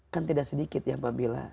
kan tidak sedikit ya mbak mila